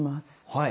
はい。